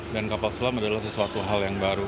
kapal selam adalah sesuatu hal yang baru